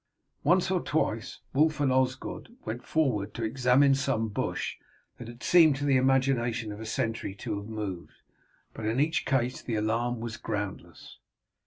Once or twice Wulf and Osgod went forward to examine some bush that had seemed to the imagination of a sentry to have moved, but in each case the alarm was groundless.